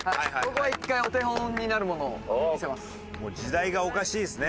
ここは一回お手本になるものを見せます。